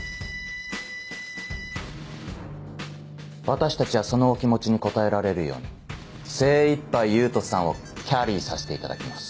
私たちはそのお気持ちに応えられるように精いっぱい勇人さんをキャリーさせていただきます。